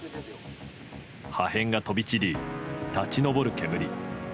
破片が飛び散り、立ち上る煙。